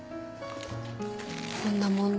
こんな問題